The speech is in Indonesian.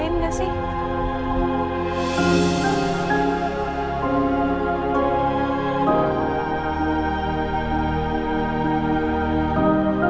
kalian ngerasain gak sih